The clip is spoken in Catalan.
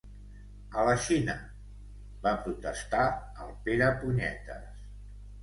A la Xina! —va protestar el Perepunyetes.